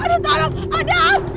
aduh kalau noir sama apes